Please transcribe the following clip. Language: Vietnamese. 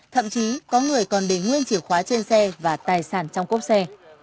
thậm chí có người còn để nguyên chìa khóa trên xe và tài sản trong cốc xe